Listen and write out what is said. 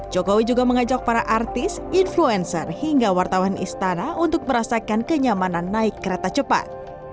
jokowi juga mengajak para artis influencer hingga wartawan istana untuk merasakan kenyamanan naik kereta cepat